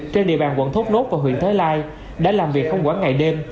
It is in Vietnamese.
trên địa bàn quận thốt nốt và huyện thới lai đã làm việc không quản ngày đêm